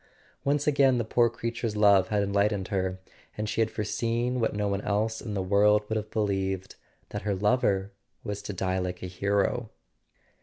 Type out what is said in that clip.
Once again the poor creature's love had enlightened her, and she had foreseen what no one else in the world would have believed: that her lover was to die like a hero.